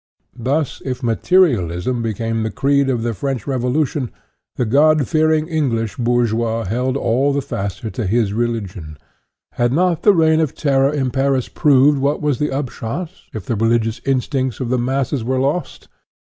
Thus, if materialism became the creed of the French Revolution, the God fearing English bourgeois held all the faster to his religion. Had not the reign of terror in Paris proved what was the upshot, if the religious instincts of the masses were lost?